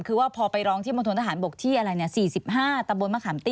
คือว่าพอไปร้องที่มนตรฐานบกที่๔๕ตะบนมะขามตี้